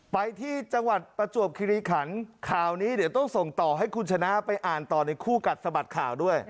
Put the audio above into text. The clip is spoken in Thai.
ไปที่จังหวัดประจวบคิริขันข่าวนี้เดี๋ยวต้องส่งต่อให้คุณชนะไปอ่านต่อในคู่กัดสะบัดข่าวด้วย